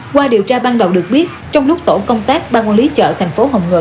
qua điều tra ban đầu được biết trong lúc tổ công tác ban quản lý chợ thành phố hồng ngự